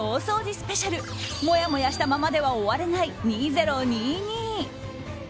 スペシャルもやもやしたままでは終われない２０２２。